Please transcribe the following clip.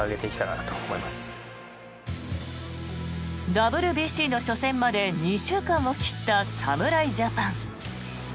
ＷＢＣの初戦まで２週間を切った侍ジャパン。